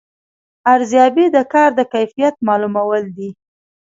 ارزیابي د کار د کیفیت معلومول دي